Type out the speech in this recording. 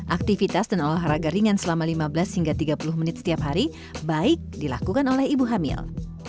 aktivitas dan olahraga ringan selama lima belas hingga tiga puluh menit setiap hari baik dilakukan oleh ibu hamil